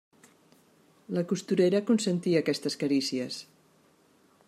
La costurera consentia aquestes carícies.